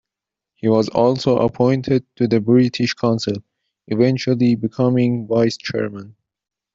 He was also appointed to the British Council, eventually becoming vice-chairman.